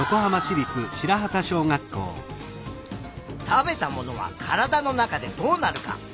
「食べたものは体の中でどうなるか」。